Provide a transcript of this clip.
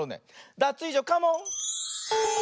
ダツイージョカモン！